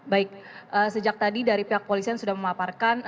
baik sejak tadi dari pihak polisian sudah memaparkan